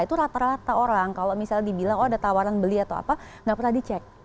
itu rata rata orang kalau misalnya dibilang oh ada tawaran beli atau apa nggak pernah dicek